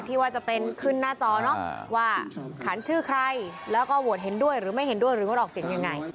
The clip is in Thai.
ที่จะเป็นขึ้นหน้าจอเนอะว่าขันชื่อใครแล้วก็โหวตเห็นด้วยหรือไม่เห็นด้วยหรืองดออกเสียงยังไง